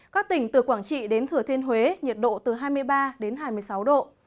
các tỉnh từ quảng trị đến thừa thiên huế nhiệt độ từ hai mươi ba đến hai mươi sáu độ